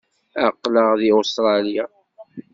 Aql-aɣ deg Ustṛalya.